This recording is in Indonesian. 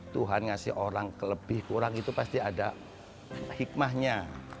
tuhan ngasih orang kelebih kurang itu pasti ada hikmahnya